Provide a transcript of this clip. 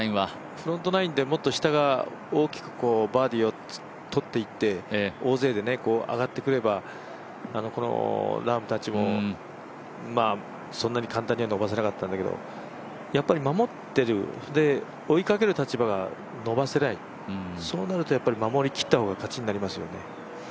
フロントナインでもっと下が大きくバーディーを取っていって大勢で上がってくればこのラームたちもそんなに簡単には伸ばせなかったんだけどやっぱり守っている、追いかける立場は伸ばせない、そうなるとやっぱり守り切った方が勝ちになりますよね。